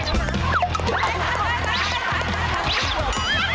อย่าอย่าอย่า